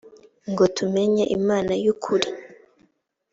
yh ngo tumenye imana y ukuri